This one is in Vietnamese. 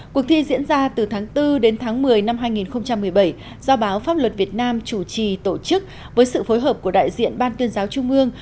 cuộc thi diễn ra từ tháng bốn đến tháng một mươi năm hai nghìn một mươi bảy do báo pháp luật việt nam chủ trì tổ chức với sự phối hợp của đại diện ban tuyên giáo trung ương